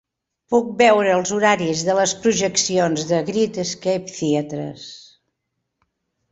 Puc veure els horaris de les projeccions de Great Escape Theatres